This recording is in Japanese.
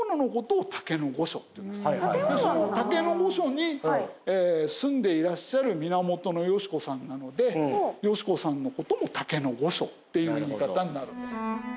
その竹御所に住んでいらっしゃる源よし子さんなのでよし子さんの事も竹御所っていう言い方になる。